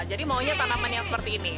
jadi maunya tanaman yang seperti ini